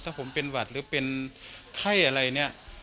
ถ้าผมเป็นหวัดหรือเป็นไข้อะไรเนี่ย